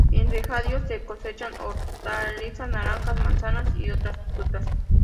En regadío se cosechan hortalizas, naranjas, manzanas y otras frutas.